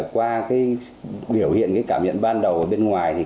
qua biểu hiện cảm nhận ban đầu ở bên ngoài